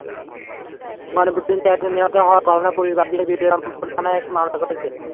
গণপিটুনিতে একজন নিহত হওয়ার ঘটনায় পুলিশ বাদী হয়ে বিরামপুর থানায় একটি মামলা করেছে।